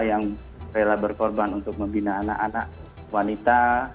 yang rela berkorban untuk membina anak anak wanita